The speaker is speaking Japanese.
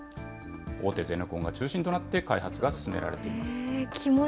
大手ゼネコンが中心となって開発が進められています。